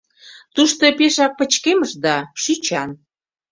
— Тушто пешак пычкемыш да шӱчан...